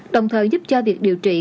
đồng thời giúp cho việc điều trị